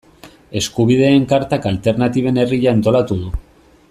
Eskubideen Kartak Alternatiben Herria antolatu du.